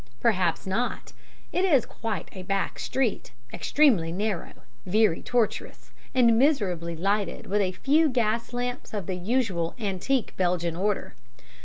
Perhaps not! It is quite a back street, extremely narrow, very tortuous, and miserably lighted with a few gas lamps of the usual antique Belgian order.